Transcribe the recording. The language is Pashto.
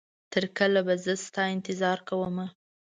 تر کله به زه ستا انتظار کومه